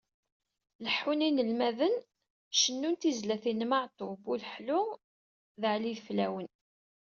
Leḥḥun yinelmaden cennun tizlatin n Meɛtub, Uleḥlu d Ɛli Ideflawen.